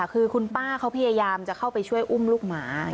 คือคุณป้าเขาพยายามจะเข้าไปช่วยอุ้มลูกหมา